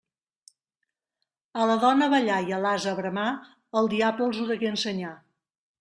A la dona a ballar i a l'ase a bramar, el diable els ho degué ensenyar.